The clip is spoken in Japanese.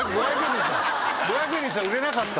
５００円にしたら売れなかった。